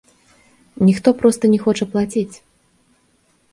Ніхто проста не хоча плаціць.